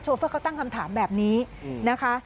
เฟอร์เขาตั้งคำถามแบบนี้นะคะ